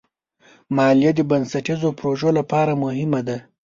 مالیه د بنسټیزو پروژو لپاره مهمه ده.